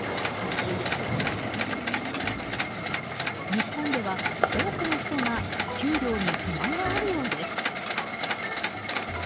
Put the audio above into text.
日本では、多くの人が給料に不満があるようです。